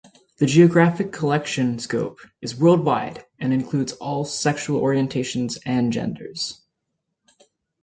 The geographic collection scope is worldwide and includes all sexual orientations and genders.